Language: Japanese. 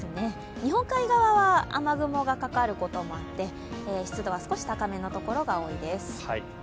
日本海側は雨雲がかかることもあって湿度は少し高めのところが多そうです。